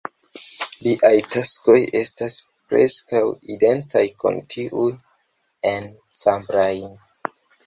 Liaj taskoj estis preskaŭ identaj kun tiuj en Cambrai.